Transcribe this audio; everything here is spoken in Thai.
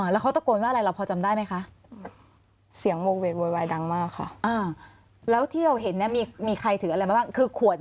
แล้วอะไรอีกลูก